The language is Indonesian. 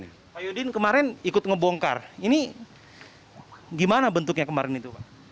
pak yudin kemarin ikut ngebongkar ini gimana bentuknya kemarin itu pak